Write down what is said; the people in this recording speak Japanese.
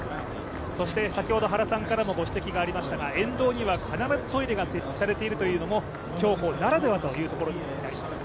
そして原さんからもご指摘がありましたが沿道には必ずトイレが設置されているというのが競歩ならではというところになります。